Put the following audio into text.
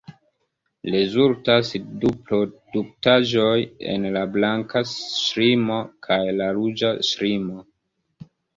Rezultas du produktaĵoj, la blanka ŝlimo kaj la ruĝa ŝlimo.